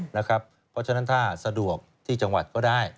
เพราะฉะนั้นถ้าสะดวกที่จังหวัดก็ได้